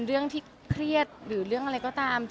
เรื่องที่เครียดหรือเรื่องอะไรก็ตาม